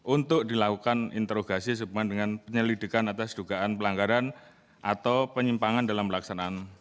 untuk dilakukan interogasi hubungan dengan penyelidikan atas dugaan pelanggaran atau penyimpangan dalam pelaksanaan